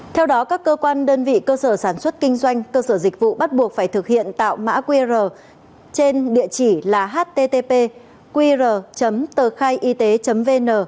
theo đó các cơ quan đơn vị cơ sở sản xuất kinh doanh cơ sở dịch vụ bắt buộc phải thực hiện tạo mã qr trên địa chỉ là http qr tờkhaiyt vn